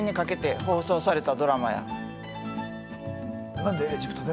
何でエジプトで？